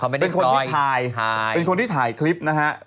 เป็นคนที่ถ่ายเป็นคนที่ถ่ายคลิปนะฮะ